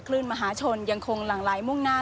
มหาชนยังคงหลั่งไหลมุ่งหน้า